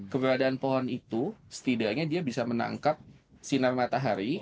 keberadaan pohon itu setidaknya dia bisa menangkap sinar matahari